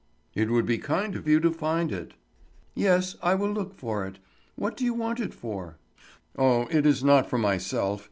"It would be kind of you to find it." "Yes, I will look for it. What do you want it for?" "Oh, it is not for myself.